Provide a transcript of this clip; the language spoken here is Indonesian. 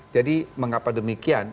jadi mengapa demikian